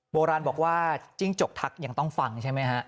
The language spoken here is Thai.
โบราณบอกว่าจิ้งจกทักยังต้องฟังใช่ไหมฮะ